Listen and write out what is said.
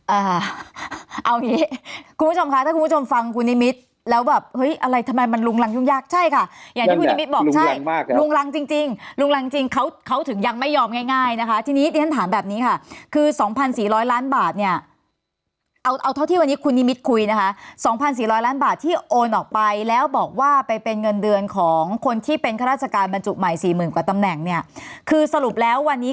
เอาอย่างนี้คุณผู้ชมค่ะถ้าคุณผู้ชมฟังคุณนิมิตรแล้วแบบเฮ้ยอะไรทำไมมันลุงลังยุ่งยากใช่ค่ะอย่างที่คุณนิมิตรบอกใช่ลุงลังจริงเขาถึงยังไม่ยอมง่ายนะคะทีนี้ฉันถามแบบนี้ค่ะคือสองพันสี่ร้อยล้านบาทเนี่ยเอาเท่าที่วันนี้คุณนิมิตรคุยนะคะสองพันสี่ร้อยล้านบาทที่โอนออกไปแล้วบอกว่าไปเป็นเ